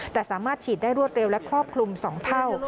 แต่สามารถฉีดได้รวดเร็วและครอบคลุม๒เท่า